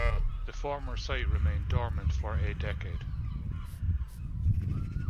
The former site remained dormant for a decade.